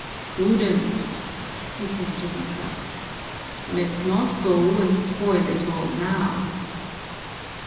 "Prudence!" he said to himself. "Let's not go and spoil it all now."